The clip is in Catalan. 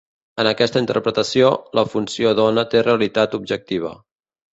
En aquesta interpretació, la funció d'ona té realitat objectiva.